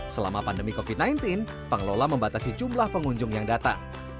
selama pandemi covid sembilan belas pengelola membatasi jumlah pengunjung yang datang